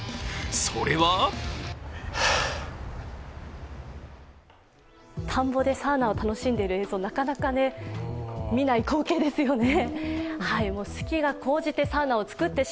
それは田んぼでサウナを楽しんでいる映像、なかなか見ない光景ですよね。